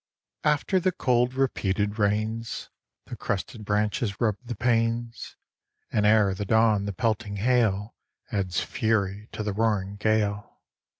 After the cold, repeated rains, The crusted branches rub the panes, And ere the dawn the pelting hail Adds fury to the roaring gale.